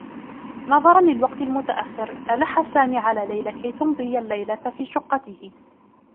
نظرا للوقت المتأخّر، ألحّ سامي على ليلى كي تمضي اللّيلة في شقّته.